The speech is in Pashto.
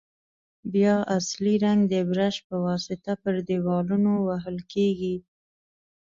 بیا اصلي رنګ د برش په واسطه پر دېوالونو وهل کیږي.